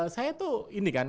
saya tuh ini kan